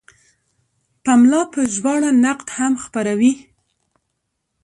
پملا په ژباړه نقد هم خپروي.